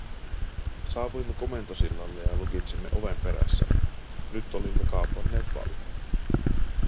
Saavuimme komentosillalle ja lukitsimme oven perässämme - nyt olimme kaapanneet vallan.